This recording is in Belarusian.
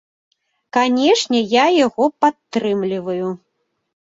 Канечне, я яго падтрымліваю.